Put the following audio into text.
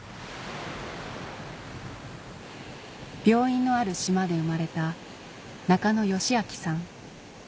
病院のある島で生まれた中野吉明さん